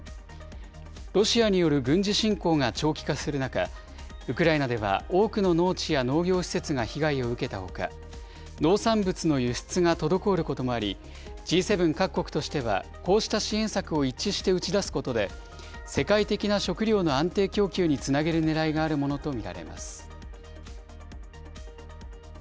ロシアによる軍事侵攻が長期化する中、ウクライナでは多くの農地や農業施設が被害を受けたほか、農産物の輸出が滞ることもあり、Ｇ７各国としてはこうした支援策を一致して打ち出すことで、世界的な食料の安定供給につなげるねらいがあるものと見られます。